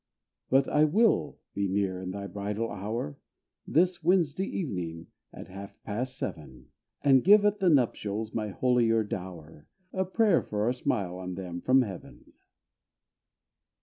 But I will "be near" in thy bridal hour, This, "Wednesday, evening, at half past seven," And give at the nuptials my holier dower, A prayer for a smile on them from Heaven.